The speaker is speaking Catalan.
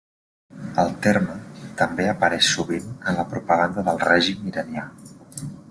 El terme també apareix sovint en la propaganda del règim iranià.